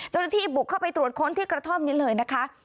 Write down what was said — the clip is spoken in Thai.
เจ้าหน้าที่บุกเข้าไปตรวจค้นที่กระท่อมนี้เลยนะคะ